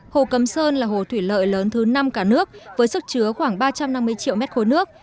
hồ cấm sơn là hồ thủy lợi lớn thứ năm cả nước với sức chứa khoảng ba trăm năm mươi triệu m ba nước